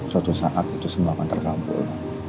suatu saat itu semua akan terkampung